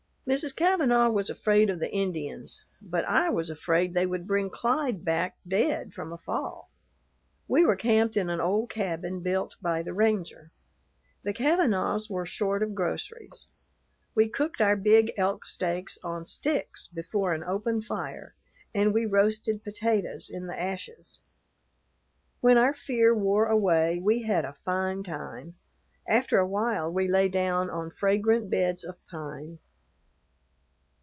Mrs. Kavanaugh was afraid of the Indians, but I was afraid they would bring Clyde back dead from a fall. We were camped in an old cabin built by the ranger. The Kavanaughs were short of groceries. We cooked our big elk steaks on sticks before an open fire, and we roasted potatoes in the ashes. When our fear wore away, we had a fine time. After a while we lay down on fragrant beds of pine.